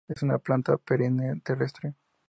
Es una planta perenne, terrestre.